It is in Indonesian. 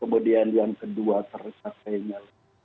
kemudian yang kedua tercapainya